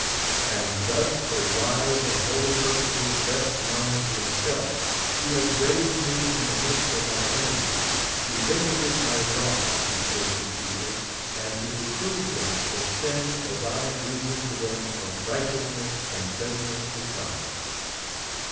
And thus for wise and holy purposes best known to himself, he has raised me in the midst of ray enemies to vindicate my wrongs be fore this people, and to reprove them for sin as I have reasoned to them of righteousness and Judgment to come.